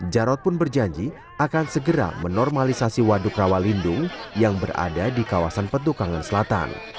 jarod pun berjanji akan segera menormalisasi waduk rawa lindung yang berada di kawasan petukangan selatan